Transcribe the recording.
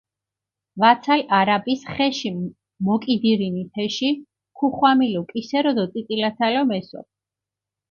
ვაცალ არაბის ხეში მოკიდირინი თეში, ქუხვამილუ კისერო დო წიწილაცალო მესოფჷ.